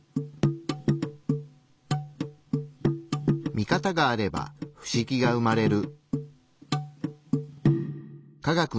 ミカタがあれば不思議が生まれる。